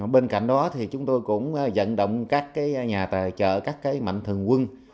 bên cạnh đó thì chúng tôi cũng dẫn động các nhà tài trợ các mạnh thường quân